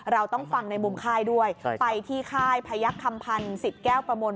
เราต้องฟังในมุมค่ายด้วยไปที่ค่ายพยักษ์คำพันธ์สิทธิ์แก้วประมล